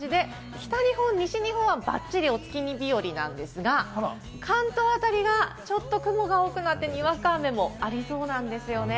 北日本、西日本はばっちり、お月見日和なんですが、関東辺りはちょっと雲が多くなって、にわか雨もありそうなんです。